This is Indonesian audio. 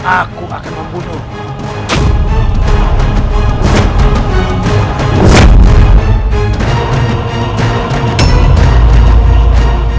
aku akan membunuhmu